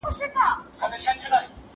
هغه څوک چي فکر کوي هوښيار وي؟!